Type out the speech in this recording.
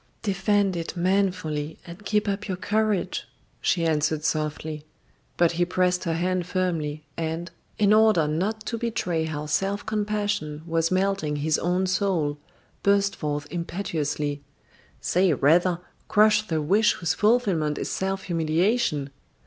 "Defend it manfully and keep up your courage," she answered softly; but he pressed her hand firmly, and, in order not to betray how self compassion was melting his own soul, burst forth impetuously: "Say rather: Crush the wish whose fulfilment is self humiliation!